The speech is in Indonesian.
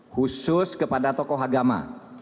khusus kepada tokoh agama